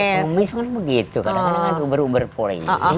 tumis kan begitu kadang kadang kan uber uber polisi